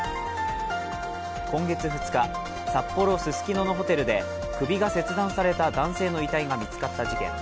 今月２日、札幌ススキノのホテルで首が切断された男性の遺体が見つかった事件。